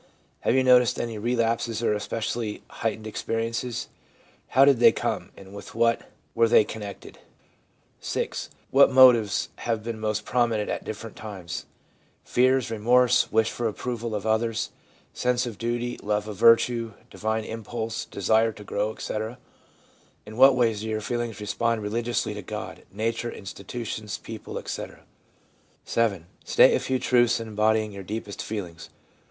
Have you noticed any relapses or especially heightened experi ences ? How did they come, and with what were they connected ? 'VI. What motives have been most prominent at different times — fears, remorse, wish for approval of others, sense of duty, love of virtue, divine impulse, desire to grow, etc.? In what ways do your feelings respond religiously to God, nature, institutions, people, etc.? 'VII. State a few truths embodying your deepest feelings.